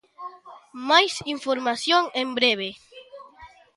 Máis información en breve.